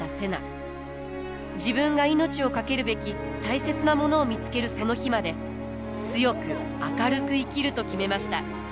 自分が命を懸けるべき大切なものを見つけるその日まで強く明るく生きると決めました。